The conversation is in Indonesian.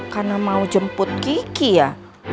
karena mau jemput kiki ya